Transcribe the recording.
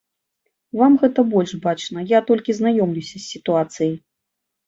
Вам гэта больш бачна, я толькі знаёмлюся з сітуацыяй.